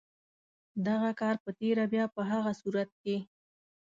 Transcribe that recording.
دغه کار په تېره بیا په هغه صورت کې.